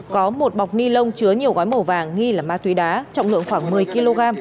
có một bọc ni lông chứa nhiều gói màu vàng nghi là ma túy đá trọng lượng khoảng một mươi kg